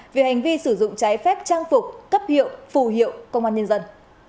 vì hành vi sử dụng trái phép trang phục cấp hiệu phù hiệu công an nhân dân